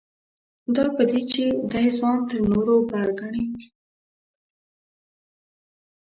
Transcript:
دا په دې چې دی ځان تر نورو بر ګڼي.